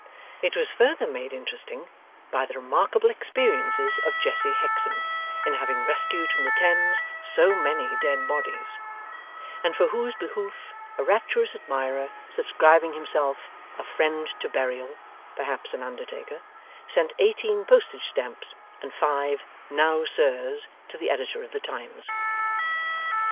It was further made interesting, by the remarkable experiences of Jesse Hexam in having rescued from the Thames so many dead bodies, and for whose behoof a rapturous admirer subscribing himself 'A friend to Burial' (perhaps an undertaker), sent eighteen postage stamps, and five 'Now Sir's to the editor of the Times.